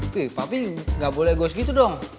pi pak pi enggak boleh egois gitu dong